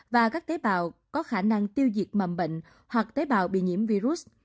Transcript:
và các tế bào có khả năng tiêu diệt mầm bệnh hoặc tế bào bị nhiễm virus